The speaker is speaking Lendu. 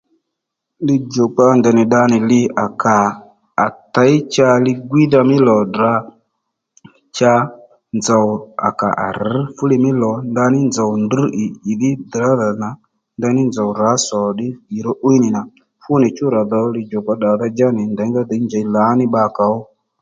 Li djùkpa ndèy nì ddǎnì li kà à těy cha li-gwiydha mí lò cha Ddrà cha nzòw à kà à rř fúli mí lò ndaní nzòw drŕ ì ìdhí dàrázà nà ndaní nzòw rǎ sò ddí ì ró 'wíy nì nà fúnì chú rà dhò li-djùkpa ddàdha-dja nì nděngá dhǐ njey la ní bbakǎ ó